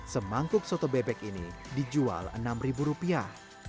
semangkuk soto bebek ini dijual enam ribu rupiah